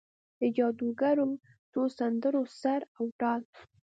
د جادوګرو څو سندرو سر او تال،